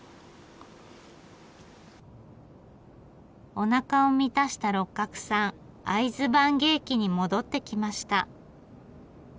おなかを満たした六角さん会津坂下駅に戻って来ました。